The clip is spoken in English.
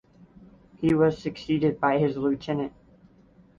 He was succeeded by his Lt.